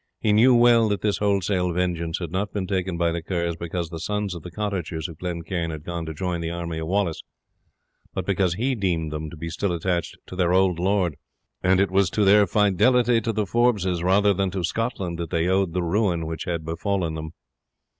He knew well that this wholesale vengeance had not been taken by the Kerrs because the sons of the cottagers of Glen Cairn had gone to join the army of Wallace, but because he deemed them to be still attached to their old lord; and it was to their fidelity to the Forbeses rather than to Scotland that they owed the ruin which had befallen them.